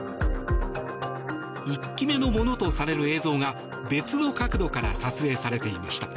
１機目のものとされる映像が別の角度から撮影されていました。